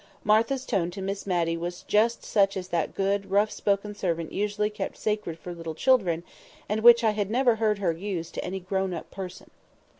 Martha's tone to Miss Matty was just such as that good, rough spoken servant usually kept sacred for little children, and which I had never heard her use to any grown up person.